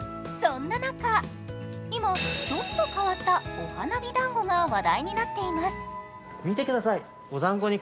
そんな中、今、ちょっと変わったお花見だんごが話題になっています。